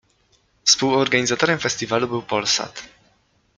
Współorganizatorem festiwalu był Polsat.